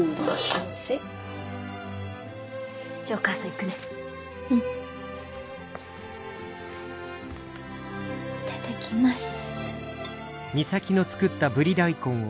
いただきます。